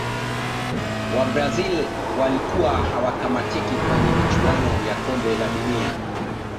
wabrazil walikuwa hawakamatiki kwenye michuano ya kombe la dunia